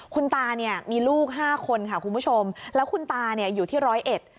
คุณตาเนี่ยมีลูกห้าคนค่ะคุณผู้ชมแล้วคุณตาเนี่ยอยู่ที่ร้อยเอ็ด